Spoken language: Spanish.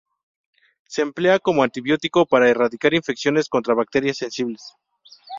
Se emplea como antibiótico para erradicar infecciones contra bacterias sensibles.